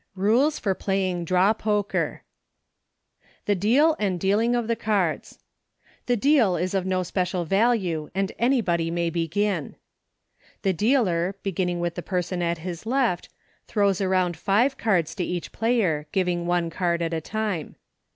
' RULES FOR PLAYING DRAW POKER, THE DEAL AND DEALING OF THE CARDS. The deal is of no special value, and any body may begin. The dealer, beginning with the person at his left, throws around five cards to each player, giving one card at a time.